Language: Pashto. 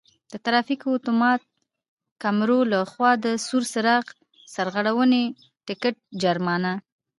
د ترافیکو آتومات کیمرو له خوا د سور څراغ سرغړونې ټکټ جرمانه: